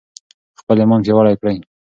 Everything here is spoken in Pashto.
خپل ایمان پیاوړی کړئ.